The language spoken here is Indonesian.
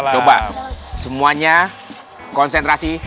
coba semuanya konsentrasi